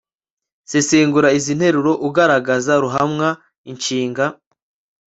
sesengura izi nteruro ugaragaza ruhamwa, inshinga